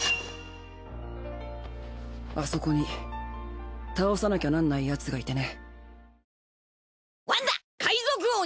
あそこに倒さなきゃなんないヤツがいてね。